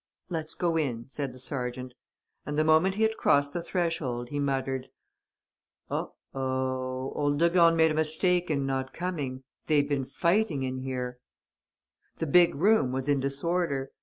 "Let's go in," said the sergeant. And, the moment he had crossed the threshold, he muttered: "Oho! Old de Gorne made a mistake in not coming. They've been fighting in here." The big room was in disorder.